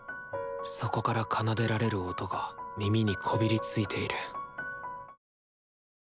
そこから奏でられる音が耳にこびりついている。